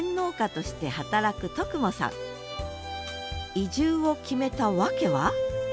移住を決めた訳は？